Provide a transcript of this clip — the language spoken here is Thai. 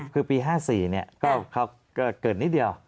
คือปี๕๐๕๐เขาก็เกิดนิดเดียว